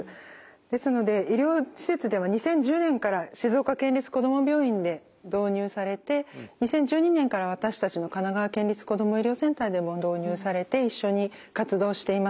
ですので医療施設では２０１０年から静岡県立こども病院で導入されて２０１２年から私たちの神奈川県立こども医療センターでも導入されて一緒に活動しています。